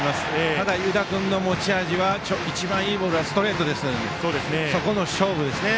ただ湯田君の持ち味一番いいボールはストレートですのでそこの勝負ですね。